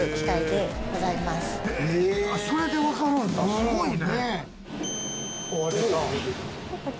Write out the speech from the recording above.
すごいね。